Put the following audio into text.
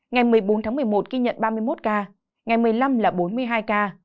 ngày một mươi bốn tháng một mươi một ghi nhận ba mươi một ca ngày một mươi năm là bốn mươi hai ca